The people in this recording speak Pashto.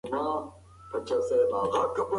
شاعران لکه ملا يارمحمد هوتک د خپل وخت لوى عالم و.